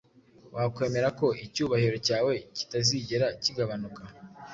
Wakwemera ko icyubahiro cyawe kitazigera kigabanuka